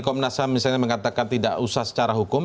kalau menasam misalnya mengatakan tidak usah secara hukum